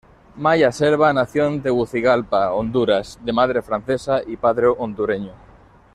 Maya Selva nació en Tegucigalpa, Honduras, de madre francesa y padre hondureño.